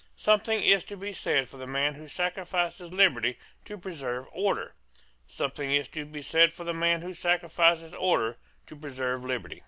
Something is to be said for the man who sacrifices liberty to preserve order. Something is to be said for the man who sacrifices order to preserve liberty.